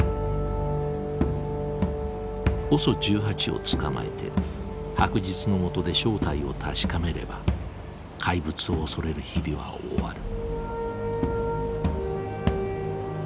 ＯＳＯ１８を捕まえて白日のもとで正体を確かめれば怪物を恐れる日々は終わる。